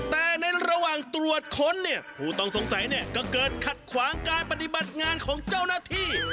แต่ในระหว่างตรวจค้นเนี่ยผู้ต้องสงสัยเนี่ยก็เกิดขัดขวางการปฏิบัติงานของเจ้าหน้าที่